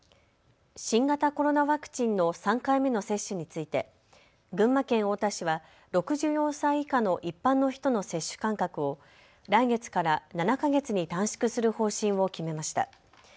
新型コロナワクチンの３回目の接種について群馬県太田市は、６４歳以下の一般の人の接種間隔を来月から７か月に短縮する方針を決めました。